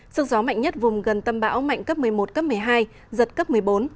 sức gió mạnh nhất vùng gần tâm bão mạnh cấp một mươi một cấp một mươi hai giật cấp một mươi bốn